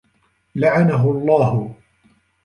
لَعَنَهُ اللَّهُ